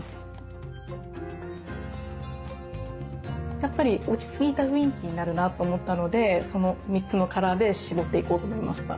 やっぱり落ち着いた雰囲気になるなと思ったのでその３つのカラーで絞っていこうと思いました。